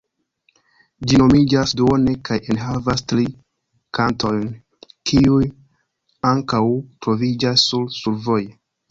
Ĝi nomiĝas "Duone" kaj enhavas tri kantojn kiuj ankaŭ troviĝas sur "Survoje".